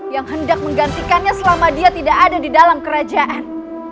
yang hendak menggantikannya selama dia tidak ada di dalam kerajaan